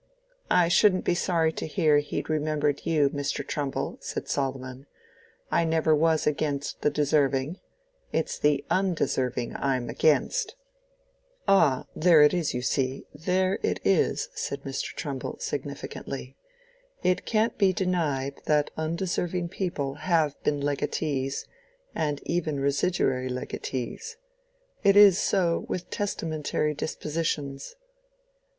"I shouldn't be sorry to hear he'd remembered you, Mr. Trumbull," said Solomon. "I never was against the deserving. It's the undeserving I'm against." "Ah, there it is, you see, there it is," said Mr. Trumbull, significantly. "It can't be denied that undeserving people have been legatees, and even residuary legatees. It is so, with testamentary dispositions."